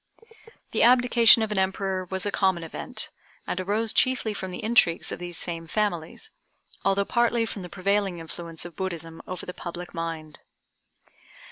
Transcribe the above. The abdication of an emperor was a common event, and arose chiefly from the intrigues of these same families, although partly from the prevailing influence of Buddhism over the public mind.